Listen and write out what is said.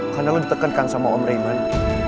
karena lo ditekankan sama om raymond